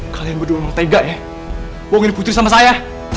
kalian berdua tega ya bohong putri sama saya